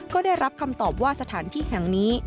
ก็ได้รับคำตอบว่าสถานที่แห่งนี้